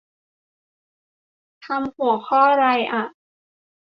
ทำหัวข้อไรอ่ะ